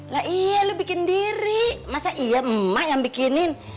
lah iya lo bikin diri masa iya emak yang bikinin